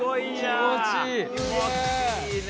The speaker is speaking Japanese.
気持ちいいね。